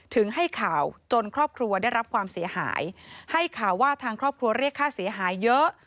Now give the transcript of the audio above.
ให้ข่าวจนครอบครัวได้รับความเสียหายให้ข่าวว่าทางครอบครัวเรียกค่าเสียหายเยอะ